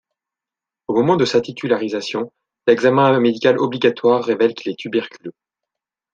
Au moment de sa titularisation, l'examen médical obligatoire révèle qu'il est tuberculeux.